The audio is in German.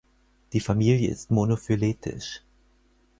Die Familie ist monophyletisch.